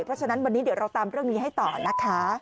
เพราะฉะนั้นวันนี้เดี๋ยวเราตามเรื่องนี้ให้ต่อนะคะ